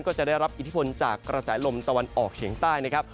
ก็จะได้รับอิทธิพลจากกระแสลมตะวันออกเฉียงใต้นะครับ